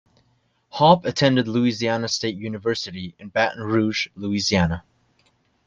Hawpe attended Louisiana State University in Baton Rouge, Louisiana.